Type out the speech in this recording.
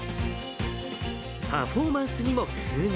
パフォーマンスにも工夫が。